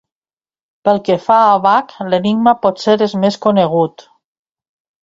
Pel que fa a Bach, l'enigma potser és més conegut.